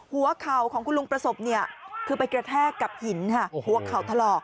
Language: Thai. หัวเข่าของคุณลุงประสบเนี่ยคือไปกระแทกกับหินค่ะหัวเข่าถลอก